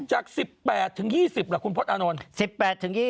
จาก๑๘๒๐ล่ะคุณพลตอานนท์